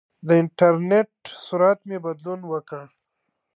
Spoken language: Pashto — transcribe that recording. د انټرنېټ سرعت مې بدلون وکړ.